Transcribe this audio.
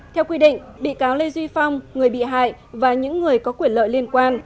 theo quy định bị cáo lê duy phong người bị hại và những người có quyền lợi liên quan